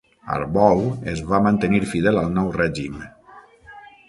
Harbou es va mantenir fidel al nou règim.